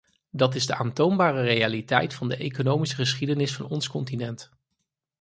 Dat is de aantoonbare realiteit van de economische geschiedenis van ons continent.